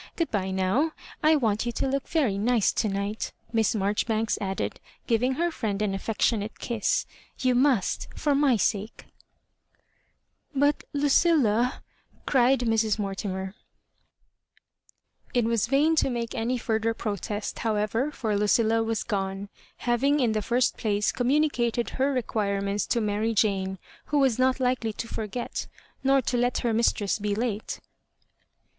Good bye now. I want you to look very nice to night," Miss Marjoribanks added. Digitized by VjOOQIC inSS 1£ABJ0KIBANKS. 109 giriDg her iHend an affectionate kias ;'' you must, for my sake." But, Lucilla ^^ cried Mrs. Mortimer. It was vain to make any further protest, how ever, for Lucilla was gone, having, in the first place, communicated .her requirements to Mary Jane, who was not likely to forget, nor to let her mistress be late.